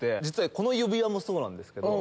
この指輪もそうなんですけど。